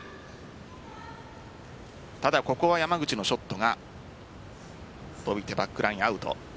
ただ、ここは山口のショットは伸びてバックライン、アウト。